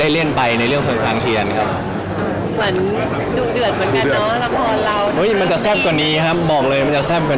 อันนี้คือที่สุดของเราไหมคะ